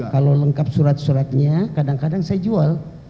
kalau lengkap surat suratnya kadang kadang saya jual